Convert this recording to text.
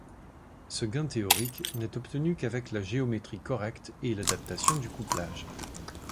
Ce gain théorique n'est obtenu qu'avec la géométrie correcte et l'adaptation du couplage.